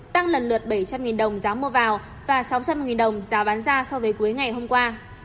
tăng lần lượt bảy trăm linh đồng giá mua vào và sáu trăm linh đồng giá bán ra so với cuối ngày hôm qua